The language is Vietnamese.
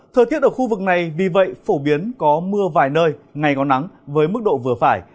thời tiết ở khu vực này vì vậy phổ biến có mưa vài nơi ngày có nắng với mức độ vừa phải